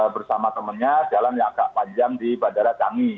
bersama temannya jalan yang agak panjang di bandara canggih